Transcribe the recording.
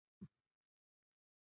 雍正朝状元彭启丰的女婿。